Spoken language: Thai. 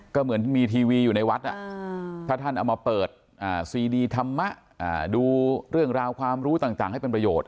ก็เหมือนที่มีทีวีอยู่ในวัดถ้าท่านเอามาเปิดซีดีธรรมะดูเรื่องราวความรู้ต่างให้เป็นประโยชน